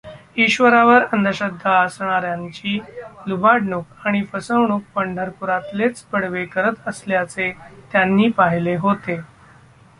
ईश्वरावर अंधश्रद्धा असणार् यांची लुबाडणूक आणि फसवणूक पंढरपुरातलेच बडवे करत असल्याचे त्यांनी पाहिले होते.